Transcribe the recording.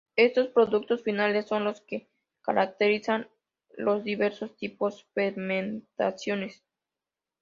Estos productos finales son los que caracterizan los diversos tipos de fermentaciones.